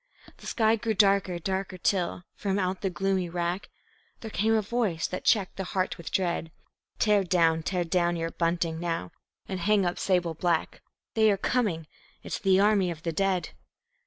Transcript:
The sky grew darker, darker, till from out the gloomy rack There came a voice that checked the heart with dread: "Tear down, tear down your bunting now, and hang up sable black; They are coming it's the Army of the Dead."